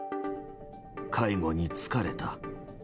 介護に疲れた。